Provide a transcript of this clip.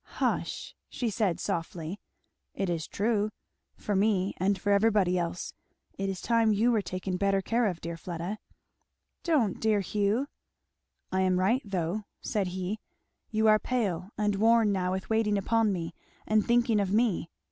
"Hush!" she said softly. "It is true, for me and for everybody else. It is time you were taken better care of, dear Fleda." "Don't, dear Hugh!" "I am right though," said he. "You are pale and worn now with waiting upon me and thinking of me.